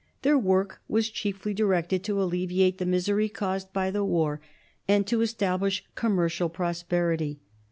Their work was chiefly directed to alleviate the misery caused by the war and to establish commercial prosperity.